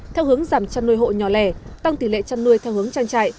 theo hướng giảm chăn nuôi hộ nhỏ lẻ tăng tỷ lệ chăn nuôi theo hướng trang trại